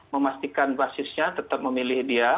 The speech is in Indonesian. memastikan basisnya tetap memilih dia